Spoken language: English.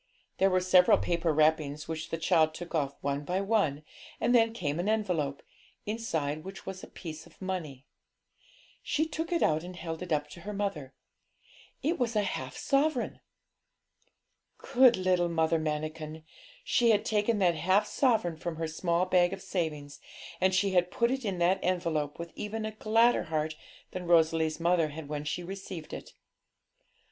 There were several paper wrappings, which the child took off one by one, and then came an envelope, inside which was a piece of money. She took it out and held it up to her mother; it was a half sovereign! Good little Mother Manikin! she had taken that half sovereign from her small bag of savings, and she had put it in that envelope with even a gladder heart than Rosalie's mother had when she received it.